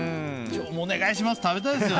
お願いします、食べたいです！